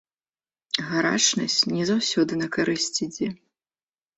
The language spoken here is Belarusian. Гарачнасць не заўсёды на карысць ідзе.